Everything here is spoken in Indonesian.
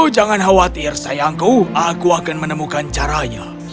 jangan khawatir sayangku aku akan menemukan caranya